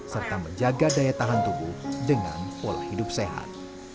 serta menjaga daya tahan tubuh dengan pola hidup sehat